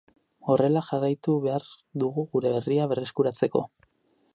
Horrela jarraitu behar dugu gure herria berreskuratzeko.